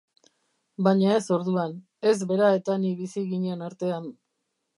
Baina ez orduan, ez bera eta ni bizi ginen artean.